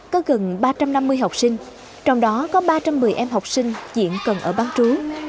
có gần ba trăm năm mươi học sinh trong đó có ba trăm một mươi em học sinh diện cần ở bán trú